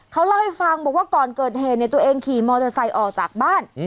เขาเล่าให้ฟังบอกว่าก่อนเกิดเหตุเนี่ยตัวเองขี่มอเตอร์ไซค์ออกจากบ้าน